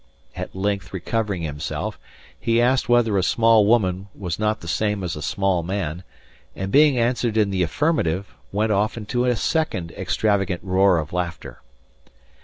At length recovering himself, he asked whether a small woman was not the same as a small man, and being answered in the affirmative, went off into a second extravagant roar of laughter.